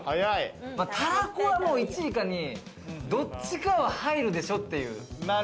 たらこは１位か２位、どっちかは入るでしょっていう。